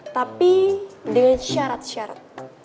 tapi dengan syarat syarat